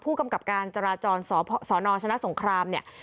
ผู้กำกับการจราจรสนชนะสงครามเนี่ย